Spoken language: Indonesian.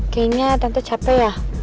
kayaknya tante capek ya